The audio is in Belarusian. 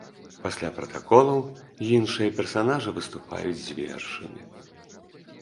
Пасля пратаколаў іншыя персанажы выступаюць з вершамі.